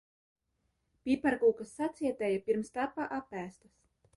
Piparkūkas sacietēja, pirms tapa apēstas.